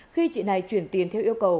khi chị này chuyển tiền theo yêu cầu